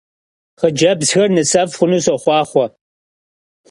Xhıcebzxer nısef' xhunu soxhuaxhue!